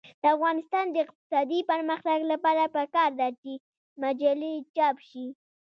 د افغانستان د اقتصادي پرمختګ لپاره پکار ده چې مجلې چاپ شي.